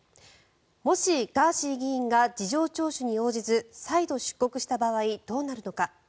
もし、ガーシー議員が事情聴取に応じず再度出国した場合どうなるのか。